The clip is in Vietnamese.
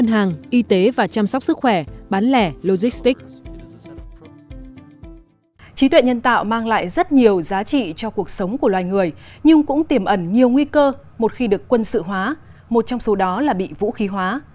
trí tuệ nhân tạo mang lại rất nhiều giá trị cho cuộc sống của loài người nhưng cũng tiềm ẩn nhiều nguy cơ một khi được quân sự hóa một trong số đó là bị vũ khí hóa